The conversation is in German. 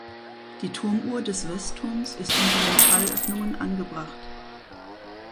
Die Turmuhr des Westturms ist unter den Schallöffnungen angebracht.